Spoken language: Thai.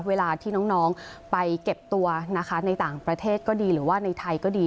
เวลาที่น้องไปเก็บตัวนะคะในต่างประเทศก็ดีหรือว่าในไทยก็ดี